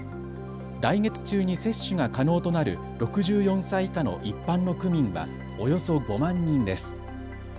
来月中に接種が可能となる６４歳以下の一般の区民はおよそ５万人です。